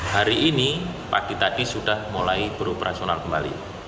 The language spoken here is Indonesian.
hari ini pagi tadi sudah mulai beroperasional kembali